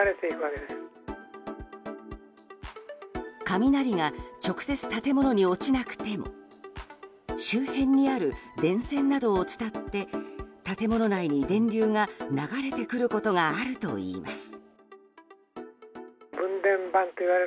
雷が直接、建物に落ちなくても周辺にある電線などを伝って建物内に電流が流れてくることがあるといいます。